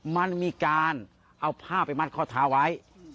มันมีการเอาผ้าไปมัดข้อเท้าไว้